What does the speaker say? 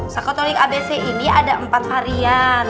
sakatonik abc ini ada empat harian